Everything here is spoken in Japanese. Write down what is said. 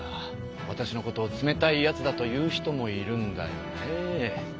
わたしのことを「冷たいやつ」だと言う人もいるんだよねえ。